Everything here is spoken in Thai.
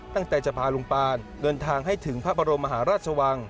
จะพาลุงปานเดินทางให้ถึงพระบรมมหาราชวัง